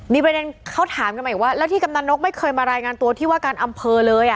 มีประเด็นเขาถามกันมาอีกว่าแล้วที่กำนันนกไม่เคยมารายงานตัวที่ว่าการอำเภอเลย